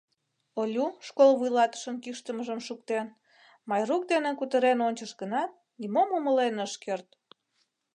Олю, школ вуйлатышын кӱштымыжым шуктен, Майрук дене кутырен ончыш гынат, нимом умылен ыш керт.